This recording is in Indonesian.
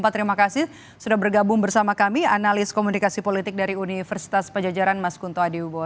terima kasih sudah bergabung bersama kami analis komunikasi politik dari universitas pajajaran mas kunto adi ubo